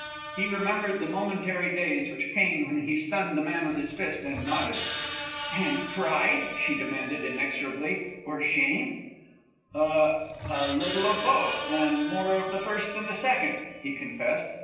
He remembered the momentary daze which came when he stunned the man with his fist, and nodded. "And pride?" she demanded, inexorably. "Or shame?" "A a little of both, and more of the first than the second," he confessed.